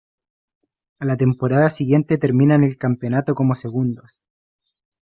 A la temporada siguiente terminan el campeonato como segundos.